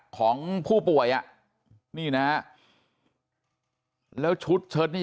ของผู้ป่วยอ่ะนี่นะฮะแล้วชุดเชิดนี่